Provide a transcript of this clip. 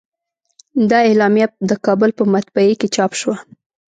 دا اعلامیه د کابل په مطبعه کې چاپ شوه.